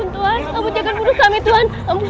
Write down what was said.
tuhan ampun jangan bunuh kami tuhan